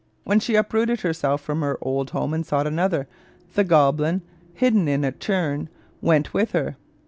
When she uprooted herself from her old home and sought another, the goblin, hidden in a churn, went with her.